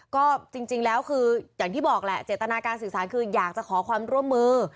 ก็จริงแล้วคืออย่างที่บอกแหละเจตนาการสื่อสารคืออยากจะขอความร่วมมือ